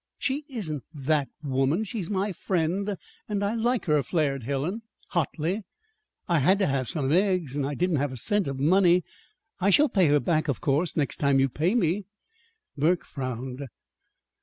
"She isn't 'that woman'! She's my friend, and I like her," flared Helen, hotly. "I had to have some eggs, and I didn't have a cent of money. I shall pay her back, of course, next time you pay me." Burke frowned.